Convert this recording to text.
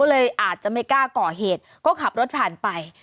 เลยอาจจะไม่กล้าก่อเหตุก็ขับรถผ่านไป